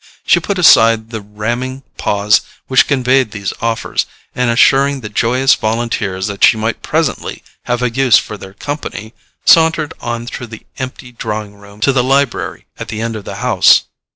She put aside the ramming paws which conveyed these offers, and assuring the joyous volunteers that she might presently have a use for their company, sauntered on through the empty drawing room to the library at the end of the house.